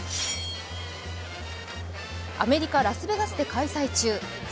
アメリカ・ラスベガスで開催中ね